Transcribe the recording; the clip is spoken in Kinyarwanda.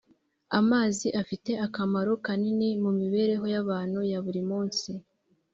amazi afite akamaro kanini mu mibereho y’abantu ya buri munsi.